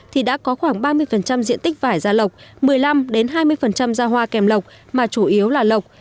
thì đã có khoảng ba mươi diện tích vải gia lộc một mươi năm hai mươi ra hoa kèm lộc mà chủ yếu là lộc